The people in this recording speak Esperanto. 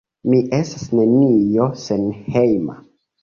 Mi estas nenio senhejma...